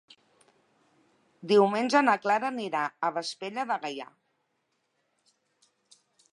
Diumenge na Clara anirà a Vespella de Gaià.